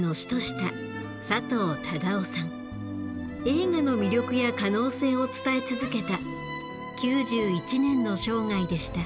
映画の魅力や可能性を伝え続けた９１年の生涯でした。